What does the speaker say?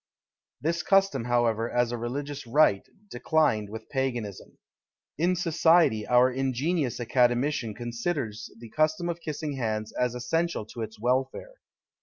This custom, however, as a religious rite, declined with Paganism. In society our ingenious academician considers the custom of kissing hands as essential to its welfare.